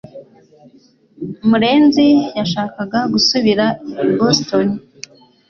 murenzi yashakaga gusubira i Boston